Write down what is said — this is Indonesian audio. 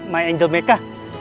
my angel meka